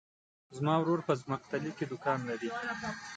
زما ورور په ځمکتلي کې دوکان لری.